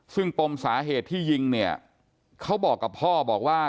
ซึ่งปมสาเหตุที่ยิงเนี่ยเขาบอกกับพ่อบอกว่า